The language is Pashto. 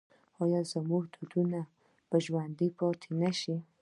آیا زموږ دودونه به ژوندي پاتې شي؟